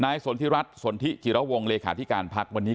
นายสนทิรัฐสนทิศิระวงร์ความลัดเวลาที่การพักวันนี้